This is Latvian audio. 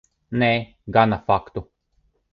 Nē, gana faktu.